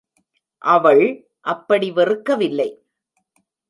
அவள் அப்படி வெறுக்கவில்லை.